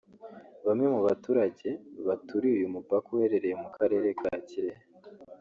Bamwe mu baturage baturiye uyu mupaka uherereye mu karere ka Kirehe